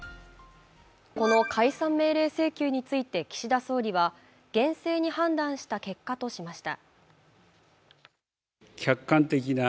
この解散命令請求について岸田総理は厳正に判断した結果としました。